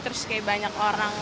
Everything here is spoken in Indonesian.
terus kayak banyak orang